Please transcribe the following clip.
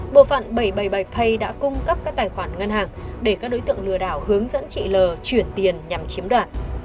bộ phận bảy trăm bảy mươi bảy pay đã cung cấp các tài khoản ngân hàng để các đối tượng lừa đảo hướng dẫn chị l chuyển tiền nhằm chiếm đoạt